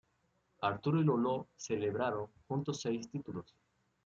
Arturo y Lolo celebraron juntos seis títulos.